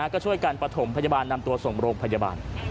ก็ช่วยกันประถมพยาบาลนำตัวส่งโรงพยาบาล